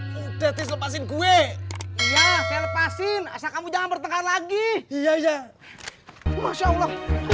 lepasin gue ya lepasin kamu jangan bertengkar lagi iya masya allah